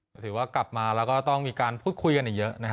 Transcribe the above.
ก็ถือว่ากลับมาแล้วก็ต้องมีการพูดคุยกันอีกเยอะนะฮะ